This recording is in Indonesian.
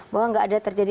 bahwa tidak ada terjadi